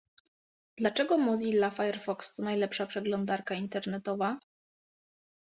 Dlaczego Mozilla Firefox to najlepsza przeglądarka internetowa?